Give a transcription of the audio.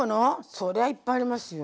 それはいっぱいありますよ。